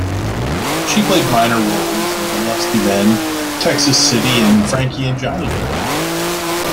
She played minor roles in "The Lusty Men", "Texas City" and "Frankie and Johnny".